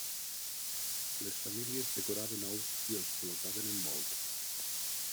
Les famílies decoraven ous i els col·locaven en bols.